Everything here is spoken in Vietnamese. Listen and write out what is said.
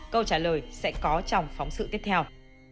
câu trả lời sẽ có trong phóng sự tiếp theo